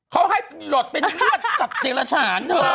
เขาให้หยดเป็นเลือดสัตว์แต่ละฉาน